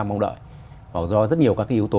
mong đợi và do rất nhiều các yếu tố